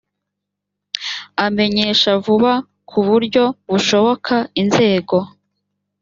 amenyesha vuba ku buryo bushoboka inzego